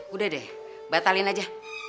udah deh batalin aja